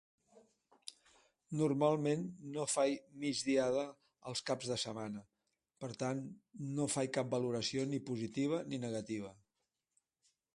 Normalment no fai migdiada els caps de setmana. Per tant, no fai cap valoració ni positiva ni negativa.